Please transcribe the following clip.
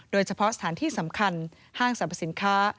โดยเฉพาะสถานที่สำคัญห้างสรรพสินค้า